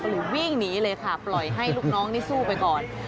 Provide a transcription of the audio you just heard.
หรือวิ่งหนีเลยค่ะปล่อยให้ลูกน้องนี่สู้ไปก่อน